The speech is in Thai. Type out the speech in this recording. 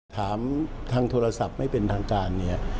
ถามทางโทรศัพท์ไม่เป็นทางการเนี่ย